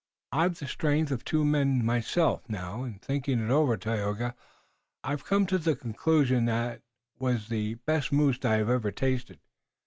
"I've the strength of two men myself now, and thinking it over, Tayoga, I've come to the conclusion that was the best moose I ever tasted.